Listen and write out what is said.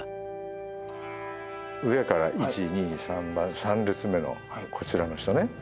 上から１２３番３列目のこちらの人ね。